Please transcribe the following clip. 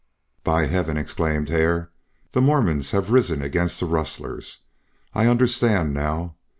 "By Heaven!" exclaimed Hare. "The Mormons have risen against the rustlers. I understand now.